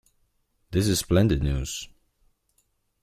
This is splendid news.